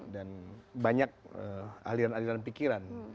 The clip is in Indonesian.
dan banyak aliran aliran pikiran